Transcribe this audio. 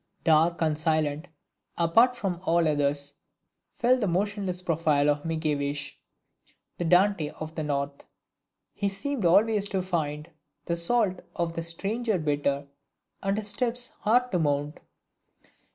Dark and silent, apart from all others, fell the motionless profile of Mickiewicz: the Dante of the North, he seemed always to find "the salt of the stranger bitter, and his steps hard to mount."